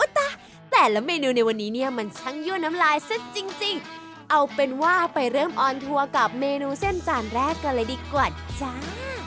แต่แต่ละเมนูในวันนี้เนี่ยมันช่างยั่วน้ำลายซะจริงเอาเป็นว่าไปเริ่มออนทัวร์กับเมนูเส้นจานแรกกันเลยดีกว่าจ้า